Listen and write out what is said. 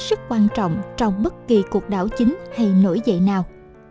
cơ sở hết sức quan trọng trong bất kỳ cuộc đảo chính hay nổi dậy nào